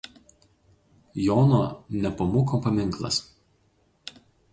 Jono Nepomuko paminklas.